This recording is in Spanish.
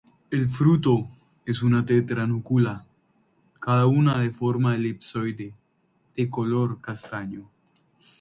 El fruto es una tetra-núcula, cada una de forma elipsoide, de color castaño.